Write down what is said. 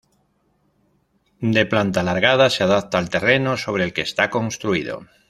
De planta alargada, se adapta al terreno sobre el que está construido.